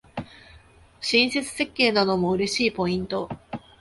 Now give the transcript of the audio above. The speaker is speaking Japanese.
親切設計なのも嬉しいポイント